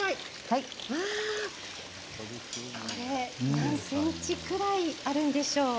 何ｃｍぐらいあるんでしょう？